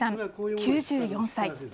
９４歳。